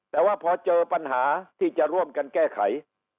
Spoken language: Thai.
แต่ว่าพอเจอปัญหาที่จะร่วมกันแก้ไข